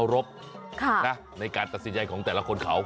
รบในการตัดสินใจของแต่ละคนเขา